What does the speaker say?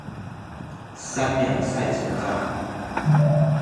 三秒曬成乾